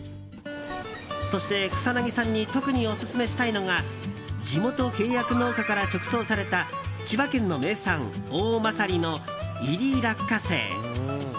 そして草なぎさんに特にオススメしたいのが地元契約農家から直送された千葉県の名産品おおまさりの煎り落花生。